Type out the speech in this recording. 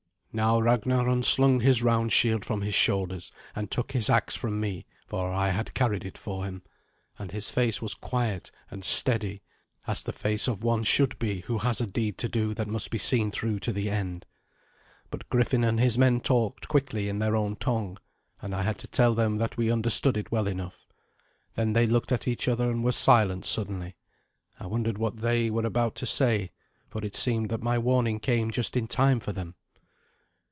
Now Ragnar unslung his round shield from his shoulders, and took his axe from me, for I had carried it for him, and his face was quiet and steady, as the face of one should be who has a deed to do that must be seen through to the end. But Griffin and his men talked quickly in their own tongue, and I had to tell them that we understood it well enough. Then they looked at each other, and were silent suddenly. I wondered what they, were about to say, for it seemed that my warning came just in time for them.